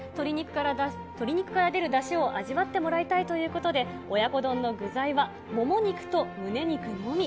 鶏肉から出るだしを味わってもらいたいということで、親子丼の具材はもも肉とむね肉のみ。